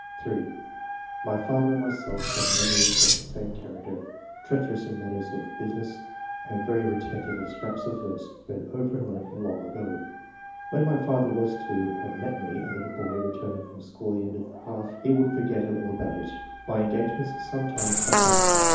3. ''My father and myself have memories of the same character ; treacherous in matters of business and very retentive of scraps of verse read over and learnt long ago. When my father was to have met me, a little boy returning from school at the end of the half, he would forget II.] QUALITIES. 119 all about it. My engagements sometimes suflFer